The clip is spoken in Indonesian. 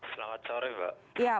selamat sore mbak